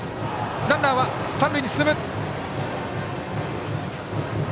ランナーは三塁に進む。